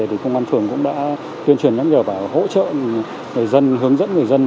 thì công an phường cũng đã tuyên truyền nhắc nhở và hỗ trợ người dân hướng dẫn người dân